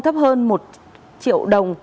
thấp hơn một triệu đồng